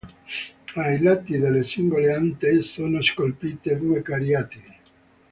Ai lati delle singole ante, sono scolpite due cariatidi.